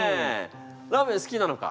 ラーメン好きなのか？